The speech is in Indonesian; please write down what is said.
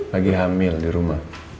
lagi hamil di rumah